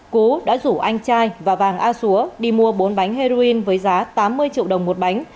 cú đã rủ anh trai và vàng a xúa đi mua bốn bánh heroin với giá tám mươi triệu đồng một bánh